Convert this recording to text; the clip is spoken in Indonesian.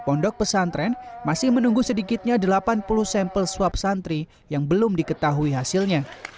pondok pesantren masih menunggu sedikitnya delapan puluh sampel swab santri yang belum diketahui hasilnya